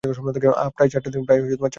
আহ, প্রায় চারটার দিকে।